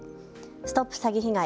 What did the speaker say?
ＳＴＯＰ詐欺被害！